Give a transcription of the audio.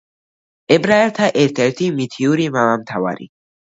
ებრაელთა ერთ-ერთი მითიური მამამთავარი.